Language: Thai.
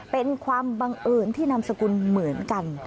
เป็นความบังเอิญที่นามสกุลเหมือนกัน